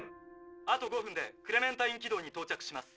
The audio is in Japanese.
「あと５分でクレメンタイン軌道に到着します。